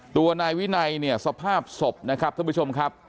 ตัวนายวินัยเนี่ยสภาพศพนะครับท่านผู้ชมครับ